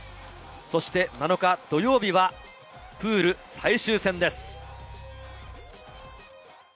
そして、７日、土曜日はプール最終戦です。